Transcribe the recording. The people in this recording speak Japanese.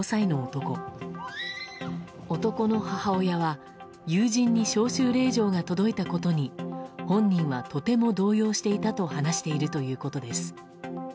男の母親は友人に招集令状が届いたことに本人はとても動揺していたと話しているということです。